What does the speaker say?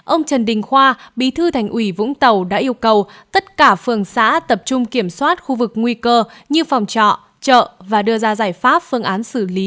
ông trần đình khoa bí thư thành ủy vũng tàu đã yêu cầu tất cả phường xã tập trung kiểm soát khu vực nguy cơ như phòng trọ chợ và đưa ra giải pháp phương án xử lý